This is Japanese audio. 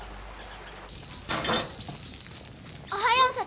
おはよう智。